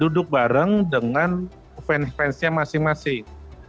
kita harus mengambil kesepakatan dengan fans fansnya masing masing